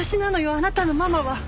あなたのママは。